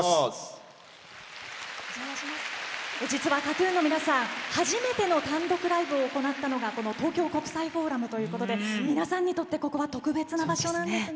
ＫＡＴ‐ＴＵＮの皆さんは、実は初めての単独ライブを行ったのがこの東京国際フォーラムということで皆さんにとってここは特別な場所なんです。